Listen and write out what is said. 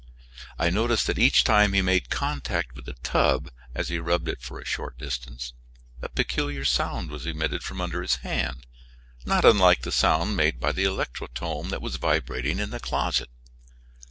I noticed that each time he made contact with the tub, as he rubbed it for a short distance, a peculiar sound was emitted from under his hand, not unlike the sound made by the electrotome that was vibrating in the closet.